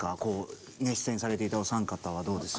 出演されていたお三方はどうですか？